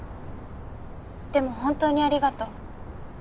でも本当にありがとう。